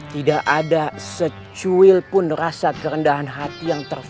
tidak ada secuil pun rasa kerendahan hati yang terfasi